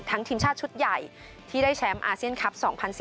ทีมชาติชุดใหญ่ที่ได้แชมป์อาเซียนคลับ๒๐๑๙